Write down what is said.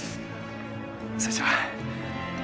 それじゃ。